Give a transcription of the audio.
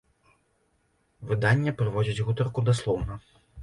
Выданне прыводзіць гутарку даслоўна.